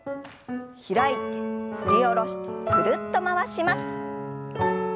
開いて振り下ろしてぐるっと回します。